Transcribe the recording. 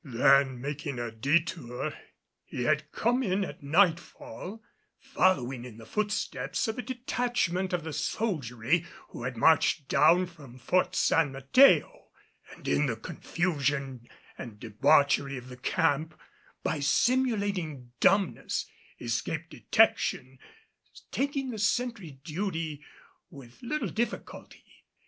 Then making a detour, he had come in at nightfall, following in the footsteps of a detachment of the soldiery who had marched down from Fort San Mateo, and in the confusion and debauchery of the camp, by simulating dumbness, escaped detection, taking the sentry duty with little difficulty.